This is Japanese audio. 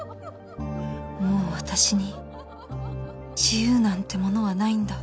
もう私に自由なんてものはないんだ